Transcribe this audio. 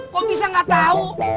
kok bisa gak tau